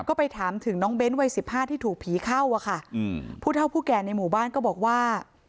ก็ไปถามถึงน้องเบ้นวัยสิบห้าที่ถูกผีเข้าอ่ะค่ะอืมผู้เท่าผู้แก่ในหมู่บ้านก็บอกว่า